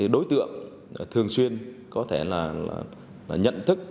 đối tượng thường xuyên có thể là nhận thức